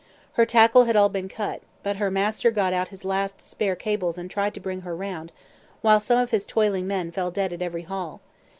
Her tackle had all been cut; but her master got out his last spare cables and tried to bring her round, while some of his toiling men fell dead at every haul.